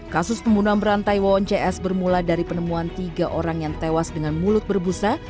kasus pembunuhan berantai wawon cs bermula dari penemuan tiga orang yang tewas dengan mulut berbusa